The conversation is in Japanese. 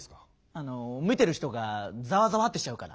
あの見てる人がざわざわってしちゃうから。